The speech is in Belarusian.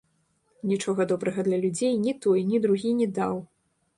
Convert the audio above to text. Нічога добрага для людзей ні той, ні другі не даў.